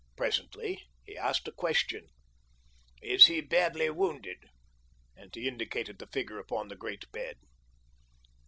Presently he asked a question. "Is he badly wounded?" and he indicated the figure upon the great bed.